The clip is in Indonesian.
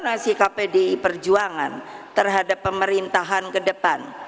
bagaimana sikap pdi perjuangan terhadap pemerintahan ke depan